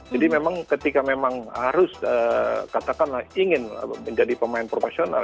memang ketika memang harus katakanlah ingin menjadi pemain profesional